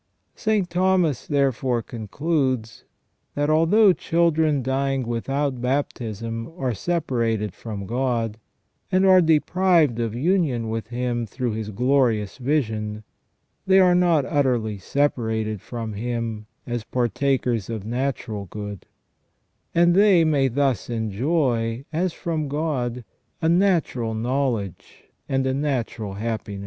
t St. Thomas therefore concludes, that " although children dying without baptism are separated from God, and are deprived of union with Him through His glorious vision, they are not utterly separated from Him as partakers of natural good ; and they may thus enjoy as from God a natural knowledge and a natural happiness